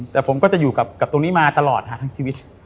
แต่ผมก็จะอยู่กับตรงนี้มาตลอดหาทั้งชีวิต